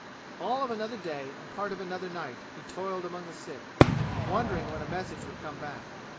All of another day and part of another night he toiled among the sick, wondering when a message would come back.